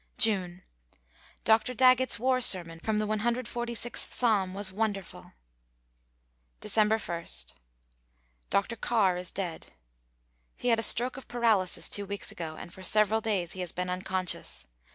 June. Dr. Daggett's war sermon from the 146th Psalm was wonderful. December 1. Dr. Carr is dead. He had a stroke of paralysis two weeks ago and for several days he has been unconscious.